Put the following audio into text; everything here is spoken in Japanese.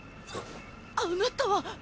ああなたは。